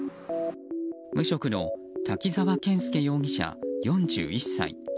無職の滝沢謙介容疑者、４１歳。